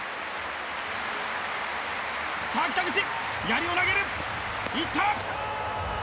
さあ、北口、やりを投げる。